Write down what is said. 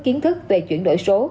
kiến thức về chuyển đổi số